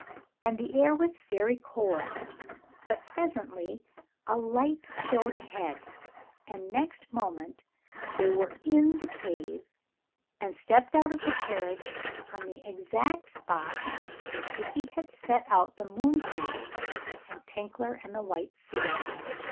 And the air was very cold. But presently a light showed ahead, and next moment there they were in the cave, and stepped out of the carriage on the exact spot where Dickie had set out the moon seeds and Tinkler and the white seal.